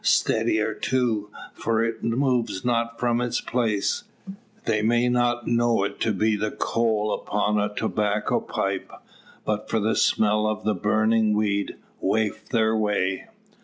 Steadier too; for it moves not from its place. They might not know it to be the coal upon a tobacco pipe, but for the smell of the burning "weed" wafted their way.